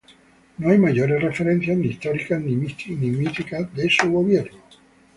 No hay mayores referencias ni históricas ni míticas de su gobierno.